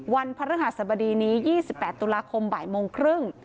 วันพระฤหัสบดีนี้๒๘ตุลาคมบ่ายโมงครึ่ง